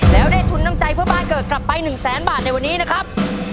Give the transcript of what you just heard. แล้วได้ทุนน้ำใจเพื่อบ้านเกิดกลับไป๑แสนบาทในวันนี้นะครับ